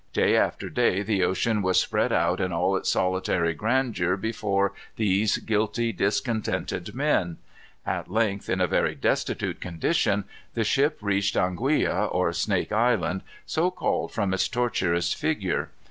Day after day the ocean was spread out in all its solitary grandeur before these guilty, discontented men. At length, in a very destitute condition, the ship reached Anguilla, or Snake Island, so called from its tortuous figure.